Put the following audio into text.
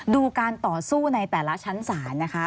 ดูการต่อสู้ในแต่ละชั้นศาลนะคะ